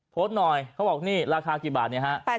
โพสต์หน่อยเขาบอกนี่ราคากี่บาทเนี่ยฮะ